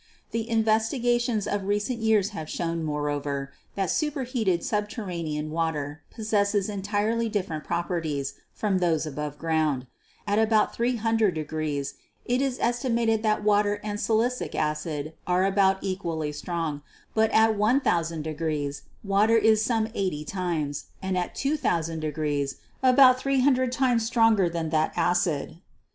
The investigations of recent years have shown, moreover, that superheated subterranean water possesses entirely different properties from those above ground. At about 300 it is estimated that water and silicic acid are about equally strong, but that at i,ooo° water is some eighty times and at 2,000° about three hun dred times stronger than that acid.